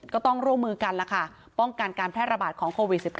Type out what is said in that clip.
ก็ต้องร่วมมือกันล่ะค่ะป้องกันการแพร่ระบาดของโควิด๑๙